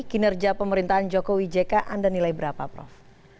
kinerja pemerintahan joko widjeka anda nilai berapa prof